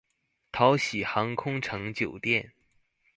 桃禧航空城酒店